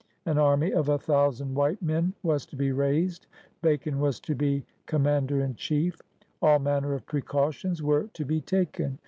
An army of a thousand white men was to be raised. Bacon was to be command er in chief. All manner of precautions were to be taken.